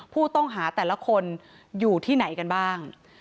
ผู้ต้องหาแต่ละคนอยู่ที่ไหนกันบ้าง